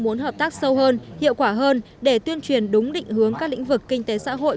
muốn hợp tác sâu hơn hiệu quả hơn để tuyên truyền đúng định hướng các lĩnh vực kinh tế xã hội